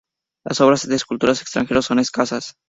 Las obras de escultores extranjeros son escasas.